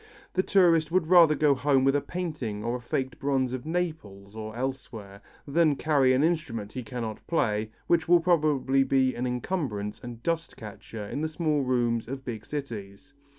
The tourist would rather go home with a painting or faked bronze of Naples or elsewhere, than carry an instrument he cannot play, which will probably be an encumbrance and dust catcher in the small rooms of big cities.